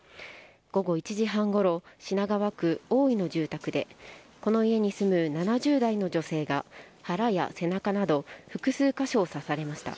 午後１時半ごろ品川区大井の住宅でこの家に住む７０代の女性が腹や背中など複数箇所を刺されました。